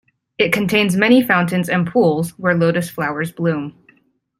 It contains many fountains and pools where lotus flowers bloom.